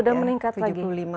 sudah meningkat lagi